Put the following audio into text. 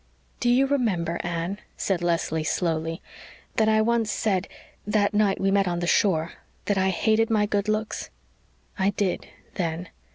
"Do you remember, Anne," said Leslie slowly, "that I once said that night we met on the shore that I hated my good looks? I did then.